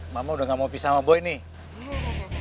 mama udah gak mau pisah sama boy nih